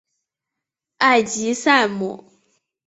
埃吉赛姆。